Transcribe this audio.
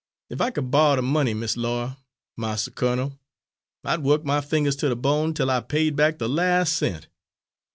Ef I could borry de money, Miss Laura Mars' Colonel I'd wuk my fingers ter de bone 'tel I paid back de las' cent.